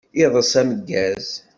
Iḍeṣ ameggaz!